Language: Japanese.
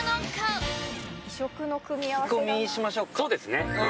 そうですね。